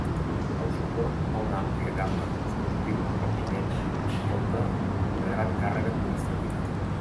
El suport a una àmplia gamma de dispositius, òbviament, porta una gran càrrega administrativa.